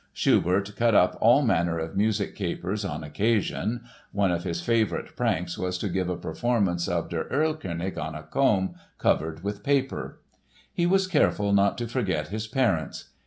Schubert cut up all manner of musical capers on occasion (one of his favorite pranks was to give a performance of Der Erlkönig on a comb covered with paper!). He was careful not to forget his parents.